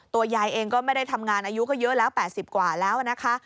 ยายเองก็ไม่ได้ทำงานอายุก็เยอะแล้ว๘๐กว่าแล้วนะคะ